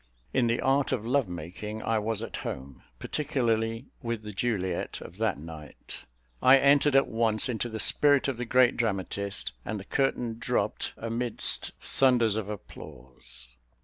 In the art of love making I was at home, particularly with the Juliet of that night. I entered at once into the spirit of the great dramatist, and the curtain dropped amidst thunders of applause.